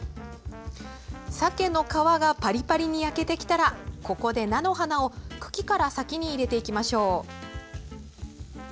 鮭の皮がパリパリに焼けてきたらここで菜の花を茎から先に入れていきましょう。